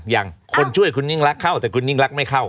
ยังคนช่วยคุณยิ่งลักษณ์เข้าแต่คุณยิ่งลักษณ์ไม่เข้า